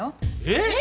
えっ！？